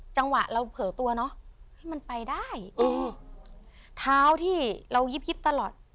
จังหวะเราเผลอตัวเนอะมันไปได้อืมเท้าที่เรายิบยิบตลอด